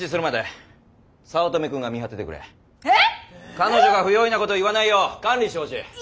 彼女が不用意なことを言わないよう管理してほしい。